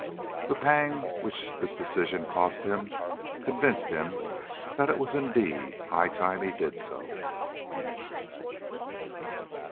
The pang which this decision cost him convinced him that it was indeed high time he did so.